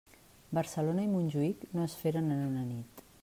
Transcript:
Barcelona i Montjuïc no es feren en una nit.